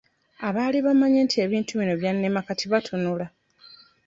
Abaali bamanyi nti ebintu bino byannema kati batunula.